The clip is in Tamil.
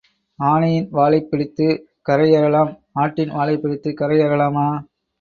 ஆனையின் வாலைப் பிடித்துக் கரை ஏறலாம் ஆட்டின் வாலைப் பிடித்துக் கரை ஏறலாமா?